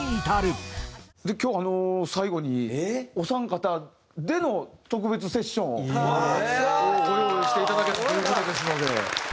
今日最後にお三方での特別セッションをご用意していただけたという事ですので。